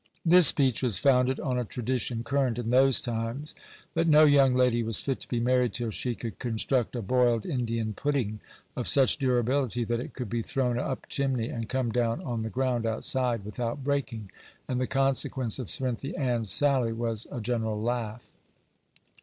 This speech was founded on a tradition, current in those times, 'that no young lady was fit to be married till she could construct a boiled Indian pudding, of such durability, that it could be thrown up chimney and come down on the ground, outside, without breaking;' and the consequence of Cerinthy Ann's sally was a general laugh.